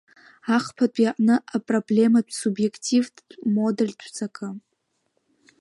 Ахԥатәи аҟны апроблематә субиеқтивтә модальтә ҵакы.